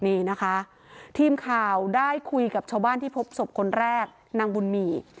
นี่นะคะทีมข่าวได้คุยกับชาวบ้านที่พบศพคนแรกนางบุญมี